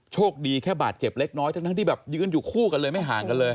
โชคดีแค่บาดเจ็บเล็กน้อยทั้งที่แบบยืนอยู่คู่กันเลยไม่ห่างกันเลย